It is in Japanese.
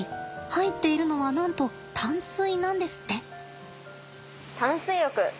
入っているのはなんと淡水なんですって。